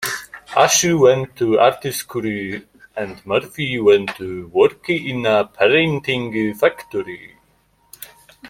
Ash went to art school and Murphy went to work in a printing factory.